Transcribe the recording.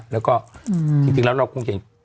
แล้วก็จริงแล้วเราคงเห็น